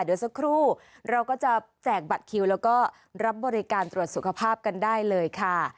เดี๋ยวสักครู่เราก็จะแจกบัตรคิวแล้วก็รับบริการตรวจสุขภาพกันได้เลยค่ะ